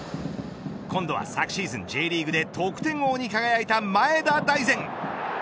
今度は、昨シーズンＪリーグで得点王に輝いた前田大然。